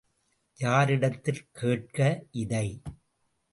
யாரிடத்தில் கேட்க இதை?